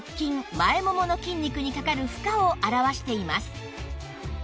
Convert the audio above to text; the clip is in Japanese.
前ももの筋肉にかかる負荷を表しています